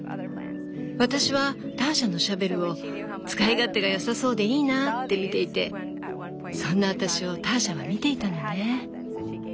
私はターシャのシャベルを「使い勝手がよさそうでいいなぁ」って見ていてそんな私をターシャは見ていたのね。